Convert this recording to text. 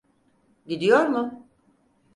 Gidiyor mu?